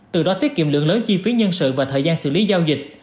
từ đó tiết kiệm lượng lớn chi phí nhân sự và thời gian xử lý giao dịch